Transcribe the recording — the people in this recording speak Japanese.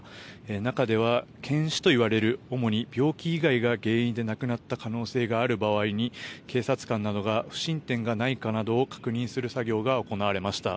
中では検視といわれる主に病気以外の原因で亡くなった可能性がある場合に警察官などが不審点がないかなどを確認する作業が行われました。